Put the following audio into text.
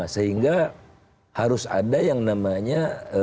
sehingga harus ada yang namanya